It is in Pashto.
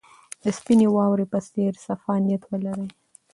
د سپینې واورې په څېر صفا نیت ولرئ.